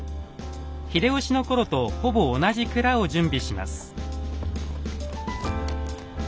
秀吉の頃とほぼ同じくらを準備します。